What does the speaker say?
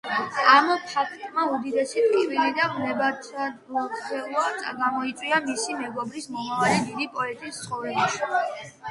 ამ ფაქტმა უდიდესი ტკივილი და ვნებათაღელვა გამოიწვია მისი მეგობრის, მომავალი დიდი პოეტის ცხოვრებაში.